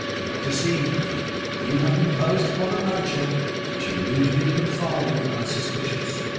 You have deceived me. You have imposed upon a nature which you knew to be confiding and unsuspicious.